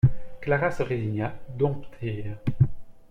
Clara se résigna, domptée.